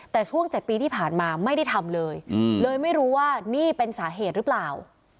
แต่ช่วง๗ปีที่ผ่านมาไม่ได้ทำเลยเลยไม่รู้ว่านี่เป็นสาเหตุหรือเปล่า